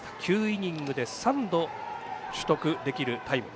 ９イニングで３度取得できるタイム。